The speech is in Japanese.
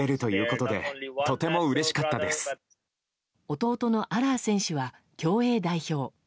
弟のアラー選手は競泳代表。